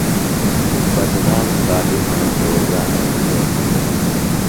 بدنام خالیۡ مہ روزانہ بِھلوۡ بِھلوۡ۔